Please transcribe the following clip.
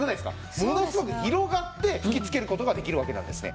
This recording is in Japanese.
ものすごく広がって吹きつける事ができるわけなんですね。